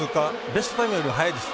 ベストタイムよりは早いです。